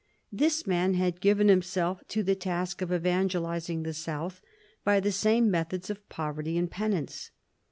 This man had given himself to the task of evangelising the south by the same methods of poverty and penance.